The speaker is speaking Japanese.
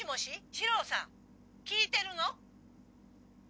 史朗さん聞いてるの？